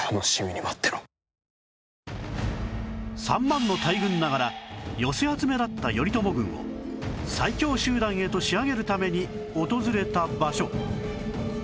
３万の大軍ながら寄せ集めだった頼朝軍を最強集団へと仕上げるために訪れた場所